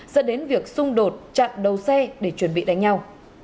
dẫn đến việc xung đột chặn đầu xe để chuẩn bị đánh nhau